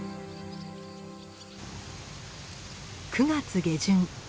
９月下旬。